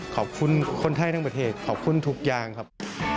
ขอบคุณคนไทยทั้งประเทศขอบคุณทุกอย่างครับ